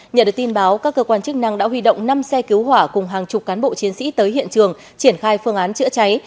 nhờ được tin báo các cơ quan chức năng đã huy động năm xe cứu hỏa cùng hàng chục cán bộ chiến sĩ tới hiện trường triển khai phương án chữa cháy